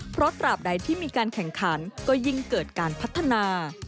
เพราะตราบใดที่มีการแข่งขันก็ยิ่งเกิดการพัฒนา